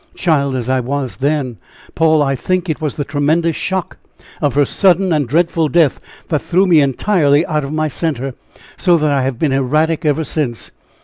Child as I then was, Paul, I think it was the tremendous shock of her sudden and dreadful death, that threw me entirely out of my center, so that I have been erratic ever since.